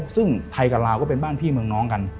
ซึ่งไทยกับลาวก็เป็นบ้านพี่เมืองน้องกัน